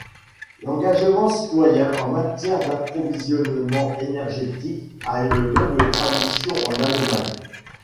L'engagement citoyen en matière d'approvisionnement énergétique a une longue tradition en Allemagne.